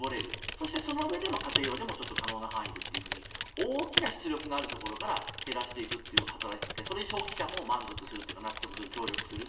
そしてそのうえでも家庭用でも可能な範囲でと大きな出力があるところから減らしていくという働きかけそれに消費者も満足する、納得する、協力する。